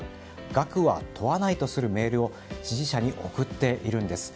額は問わないとするメールを支持者に送っているんです。